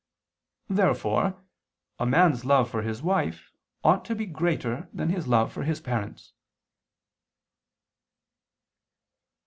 Therefore a man's love for his wife ought to be greater than his love for his parents.